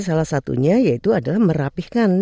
salah satunya yaitu adalah merapihkan